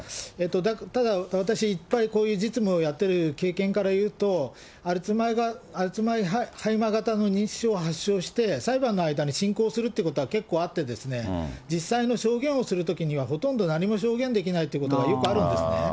ただ、私いっぱい、こういう実務をやっている経験からいうと、アルツハイマー型の認知症を発症して、裁判の間に進行するということは結構あってですね、実際の証言をするときには、ほとんど何も証言できないということは、よくあるんですね。